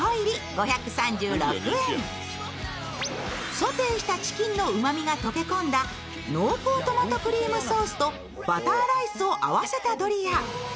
ソテーしたチキンのうまみが溶け込んだ、濃厚トマトクリームソースとバターライスを合わせたドリア。